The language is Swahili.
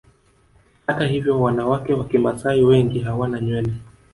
Hata hivyo wanawake wa Kimasai wengi hawana nywele